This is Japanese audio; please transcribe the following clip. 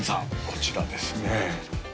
こちらですね